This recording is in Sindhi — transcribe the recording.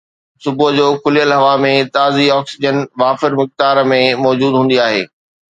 صبح جو کليل هوا ۾ تازي آڪسيجن وافر مقدار ۾ موجود هوندي آهي